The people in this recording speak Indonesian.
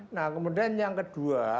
nah kemudian yang kedua